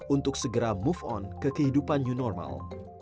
untuk segera move on ke kehidupan new normal